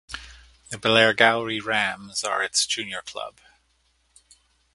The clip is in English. The Blairgowrie Rams are its junior club.